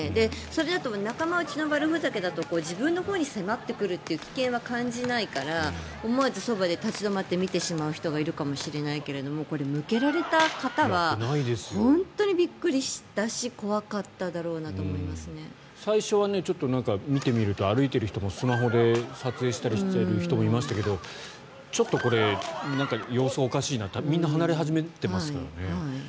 それだと仲間内の悪ふざけだと自分のほうに迫ってくるという危険は感じないから思わずそばで立ち止まって見てしまう人がいるかもしれないけどこれ、向けられた方は本当にびっくりだし最初は見てみると歩いている人もスマホで撮影したりしている人もいましたけどちょっと様子がおかしいなとみんな離れ始めてますからね。